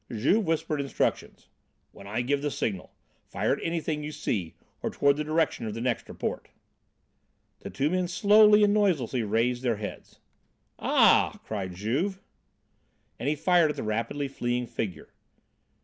Juve whispered instructions: "When I give the signal, fire at anything you see or toward the direction of the next report." The two men slowly and noiselessly raised their heads. "Ah," cried Juve. And he fired at the rapidly fleeing figure.